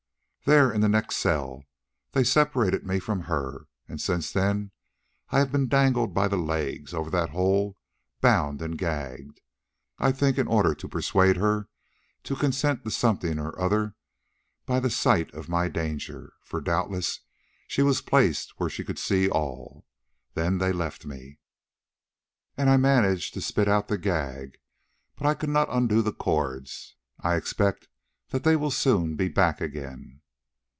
"There, in the next cell. They separated me from her, and since then I have been dangled by the legs over that hole bound and gagged, I think in order to persuade her to consent to something or other by the sight of my danger, for doubtless she was placed where she could see all. Then they left me, and I managed to spit out the gag, but I could not undo the cords. I expect that they will soon be back again."